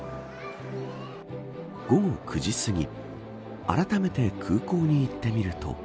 午後９時すぎあらためて空港に行ってみると。